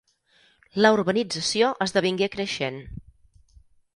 La urbanització esdevingué creixent.